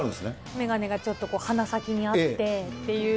眼鏡がちょっと鼻先にあってっていう、こう。